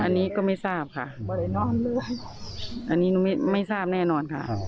อันนี้ก็ไม่ทราบค่ะอันนี้หนูไม่ทราบแน่นอนค่ะ